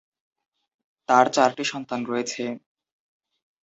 তার চারটি সন্তান রয়েছে।